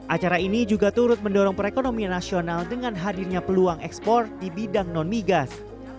acara ini juga turut mendorong perekonomian nasional dengan hadirnya peluang ekspor di bidang non migas